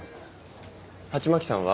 鉢巻さんは？